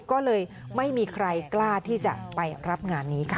ก็เลยไม่มีใครกล้าที่จะไปรับงานนี้ค่ะ